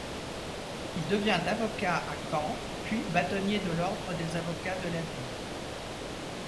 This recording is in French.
Il devient avocat à Caen puis bâtonnier de l'ordre des avocats de la ville.